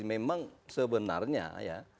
memang sebenarnya ya